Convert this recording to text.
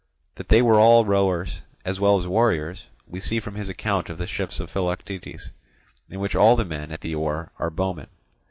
That they were all rowers as well as warriors we see from his account of the ships of Philoctetes, in which all the men at the oar are bowmen.